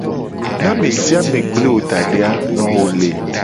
Ne ame sia me gble wo da de a, no wo le.